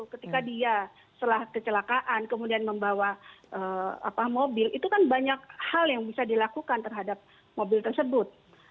ketika dia setelah kecelakaan kemudian membawa mobil itu kan banyak hal yang bisa dilakukan terhadap mobil tersebut